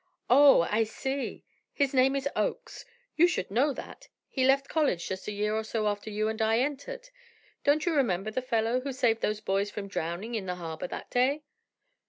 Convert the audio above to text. "Oh! I see. His name is Oakes. You should know that. He left college just a year or so after you and I entered. Don't you remember the fellow who saved those boys from drowning in the harbor that day?"